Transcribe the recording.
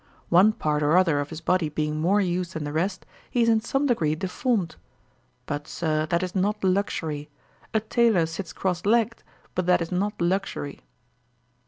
One part or other of his body being more used than the rest, he is in some degree deformed: but, Sir, that is not luxury. A tailor sits cross legged; but that is not luxury.'